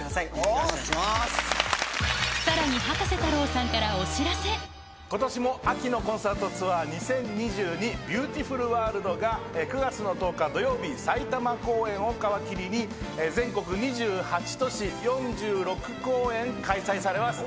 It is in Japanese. さらに今年も秋の「コンサートツアー２０２２ＢＥＡＵＴＩＦＵＬＷＯＲＬＤ」が９月１０日土曜日埼玉公演を皮切りに全国２８都市４６公演開催されます。